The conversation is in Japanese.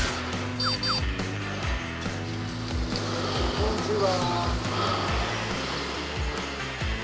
こんにちは。